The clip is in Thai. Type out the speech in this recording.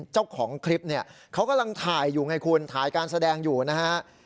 เจ้าของคลิปเนี่ยเขากำลังถ่ายอยู่ไงคุณถ่ายการแสดงอยู่นะฮะ